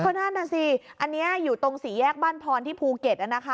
ก็นั่นน่ะสิอันนี้อยู่ตรงสี่แยกบ้านพรที่ภูเก็ตนะคะ